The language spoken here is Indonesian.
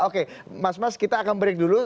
oke mas mas kita akan break dulu